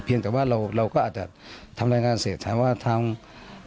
เพียงแต่ว่าเราก็อาจจะทำรายงานเสร็จ